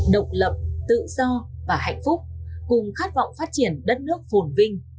độc lập tự do và hạnh phúc cùng khát vọng phát triển đất nước phồn vinh